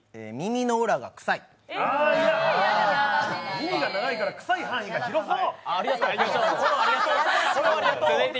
耳が長いからくさい範囲が広そう。